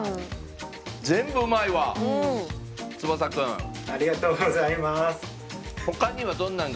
うん。